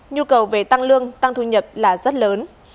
nhu cầu về tăng lương tăng thu nhập là rất lớn